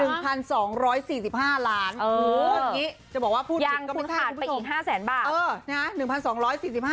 เอออย่างคุณขาดไปอีก๕แสนบาทคุณผู้ชมจะบอกว่าพูดผิดก็ไม่ใช่คุณผู้ชม